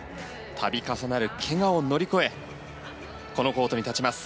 度重なるけがを乗り越えこのコートに立ちます